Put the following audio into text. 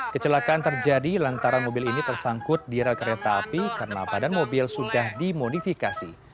kecelakaan terjadi lantaran mobil ini tersangkut di rel kereta api karena badan mobil sudah dimodifikasi